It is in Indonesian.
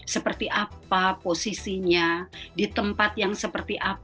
seperti apa posisinya di tempat yang seperti apa